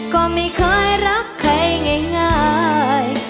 ก็ไม่เคยรักใครง่าย